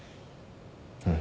うん。